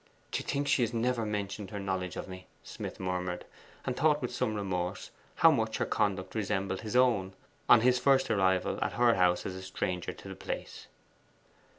'To think she has never mentioned her knowledge of me!' Smith murmured, and thought with some remorse how much her conduct resembled his own on his first arrival at her house as a stranger to the place.